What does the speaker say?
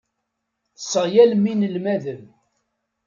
Tesseɣyalem inelmaden.